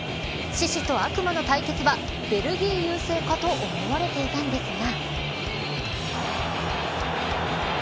獅子と悪魔の対決はベルギー優勢かと思われていたんですが。